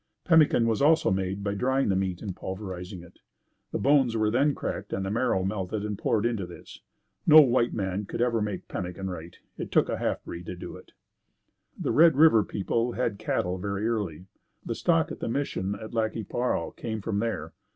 Pemmican was also made by drying the meat and pulverizing it. The bones were then cracked and the marrow melted and poured into this. No white man could ever make pemmican right. It took a half breed to do it. The Red River people had cattle very early. The stock at the mission at Lac qui Parle came from there.